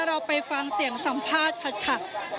เราไปฟังเสียงสัมภาษณ์ค่ะ